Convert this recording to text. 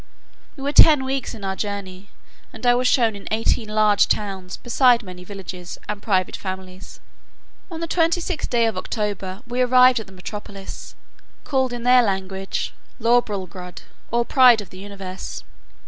We were ten weeks in our journey, and I was shown in eighteen large towns, besides many villages, and private families. On the 26th day of October we arrived at the metropolis, called in their language Lorbrulgrud, or Pride of the Universe.